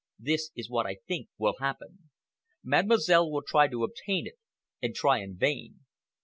This is what I think will happen. Mademoiselle will try to obtain it, and try in vain.